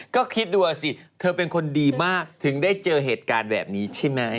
ก็คิดดูสิเธอเป็นคนดีมากถึงได้เจอเหตุการณ์แบบนี้ใช่ไหม